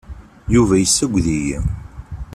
Yuba yessaged-iyi.